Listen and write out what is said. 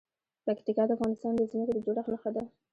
پکتیکا د افغانستان د ځمکې د جوړښت نښه ده.